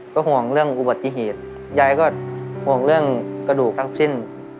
ก็ห่วงเรื่องอุบัติเหตุยายก็ห่วงเรื่องกระดูกทั้งสิ้น